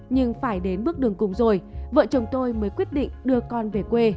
nhưng phải đến bước đường cùng rồi vợ chồng tôi mới quyết định đưa con về quê